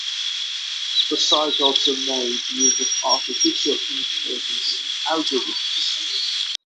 The site also made use of artificial intelligence algorithms.